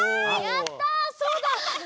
やったそうだ！